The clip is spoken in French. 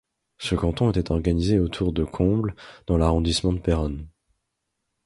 Ce canton était organisé autour de Combles dans l'arrondissement de Péronne.